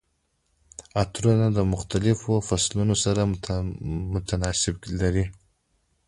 عطرونه د مختلفو فصلونو سره تناسب لري.